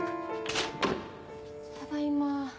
ただいま。